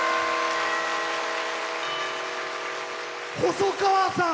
細川さん！